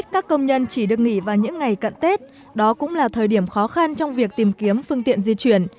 các công nhân chỉ được nghỉ vào những ngày cận tết đó cũng là thời điểm khó khăn trong việc tìm kiếm phương tiện di chuyển